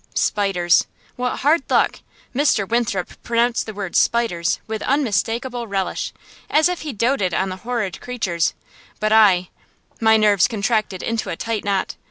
Spiders! What hard luck! Mr. Winthrop pronounced the word "spiders" with unmistakable relish, as if he doted on the horrid creatures; but I My nerves contracted into a tight knot.